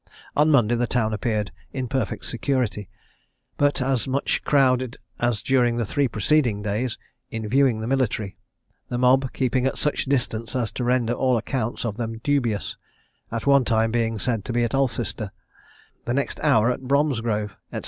On Monday the town appeared in perfect security, but as much crowded as during the three preceding days, in viewing the military; the mob keeping at such a distance as to render all accounts of them dubious; at one time being said to be at Alcester, the next hour at Bromsgrove, &c.